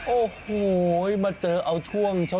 โอ้โหมาเจอเอาชูนะ